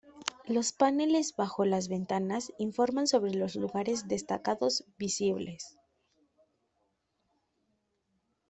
Los paneles bajo las ventanas informan sobre los lugares destacados visibles.